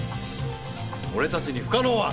俺たちに不可能は。